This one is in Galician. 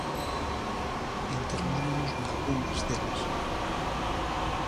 Internámonos nalgunhas delas.